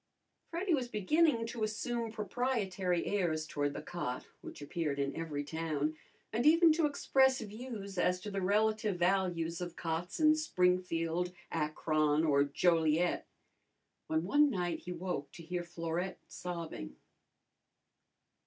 Freddy was beginning to assume proprietary airs toward the cot, which appeared in every town, and even to express views as to the relative values of cots in Springfield, Akron, or Joliet when one night he woke to hear Florette sobbing.